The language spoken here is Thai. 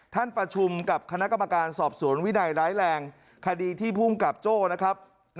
ท่านประชุมกับคณะกรรมการสอบสวนวินัยร้ายแรงคดีที่ภูมิกับโจ้นะครับ